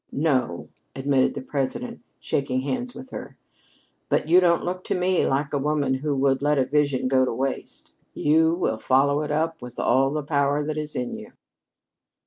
"No," admitted the President, shaking hands with her. "But you don't look to me like a woman who would let a vision go to waste. You will follow it up with all the power that is in you."